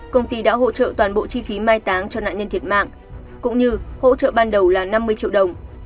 công ty đã hỗ trợ toàn bộ chi phí mai táng cho nạn nhân thiệt mạng cũng như hỗ trợ ban đầu là năm mươi triệu đồng